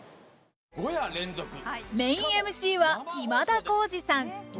メインＭＣは今田耕司さん。